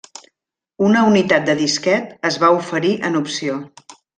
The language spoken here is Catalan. Una unitat de disquet es va oferir en opció.